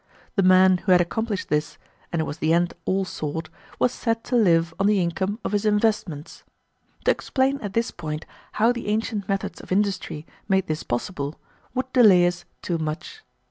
The man who had accomplished this, and it was the end all sought, was said to live on the income of his investments. To explain at this point how the ancient methods of industry made this possible would delay us too much.